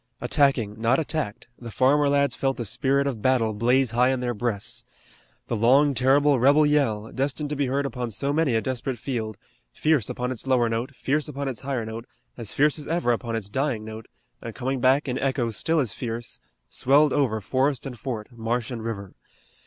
Attacking, not attacked, the farmer lads felt the spirit of battle blaze high in their breasts. The long, terrible rebel yell, destined to be heard upon so many a desperate field, fierce upon its lower note, fierce upon its higher note, as fierce as ever upon its dying note, and coming back in echoes still as fierce, swelled over forest and fort, marsh and river.